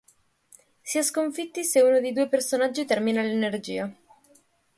Si è sconfitti se uno dei due personaggi termina l'energia.